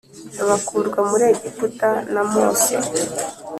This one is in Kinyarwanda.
bakurwa muri egiputa na Mose.